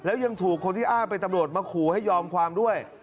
แล้วยังถูกคนที่อ้างเป็นตำรวจมาขู่ให้ยอมความด้วย